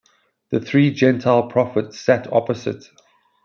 The three Gentile prophets sat opposite.